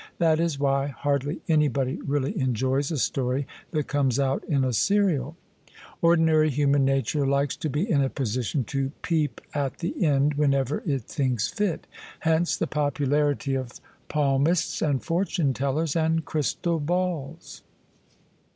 That is why hardly anybody really enjoys a story that comes out in a serial: ordinary himian nature likes to be in a position to peep at the end whenever it thinks fit. Hence the popularity of palmists and fortune tellers and crystal balls."